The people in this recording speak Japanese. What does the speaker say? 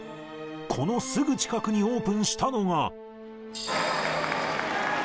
このすぐ近くにオープンしたのが。